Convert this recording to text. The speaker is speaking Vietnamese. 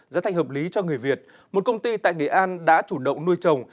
giá thành hợp lý cho người việt một công ty tại nghệ an đã chủ động nuôi trồng